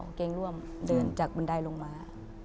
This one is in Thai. เกงร่วมเดินจากบันไดลงมา